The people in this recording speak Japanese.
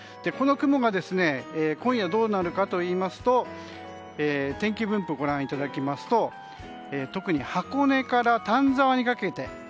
この雲が今夜どうなるかといいますと天気分布をご覧いただきますと特に箱根から丹沢にかけて。